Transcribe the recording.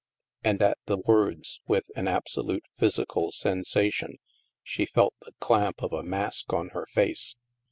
And at the words, with an absolutely physical sensation, she felt the clamp of a mask on her face.